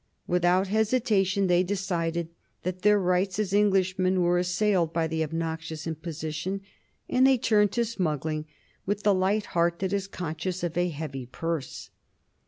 Without hesitation they decided that their rights as Englishmen were assailed by the obnoxious imposition, and they turned to smuggling with the light heart that is conscious of a heavy purse.